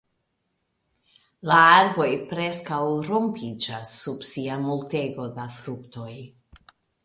La arboj preskaŭ rompiĝas sub sia multego da fruktoj.